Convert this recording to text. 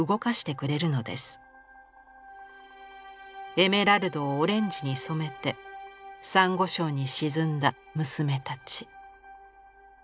エメラルドをオレンジに染めてさんご礁に沈んだ娘たち」。